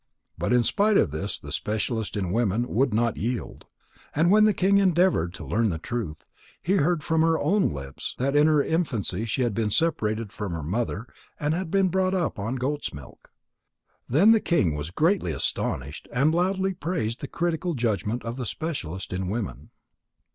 But in spite of this the specialist in women would not yield. And when the king endeavoured to learn the truth, he heard from her own lips that in her infancy she had been separated from her mother and had been brought up on goat's milk. Then the king was greatly astonished and loudly praised the critical judgment of the specialist in women.